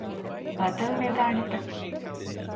ބަދަލު ވެދާނެތަ؟